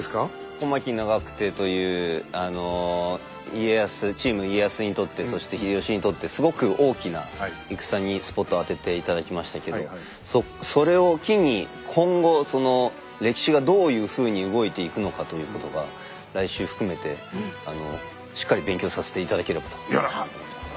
小牧・長久手というあの家康チーム家康にとってそして秀吉にとってすごく大きな戦にスポットを当てて頂きましたけどそれを機に今後その歴史がどういうふうに動いていくのかということが来週含めてしっかり勉強させて頂ければというふうに思ってます。